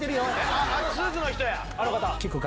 あっあのスーツの人や！